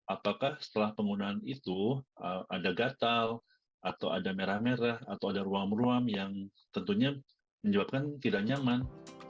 apakah setelah penggunaan itu ada gatal atau ada merah merah atau ada ruam ruam yang tentunya menyebabkan tidak nyaman